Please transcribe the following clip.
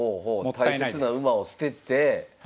大切な馬を捨てて。